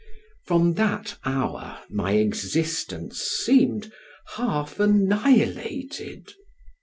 From that hour my existence seemed half annihilated.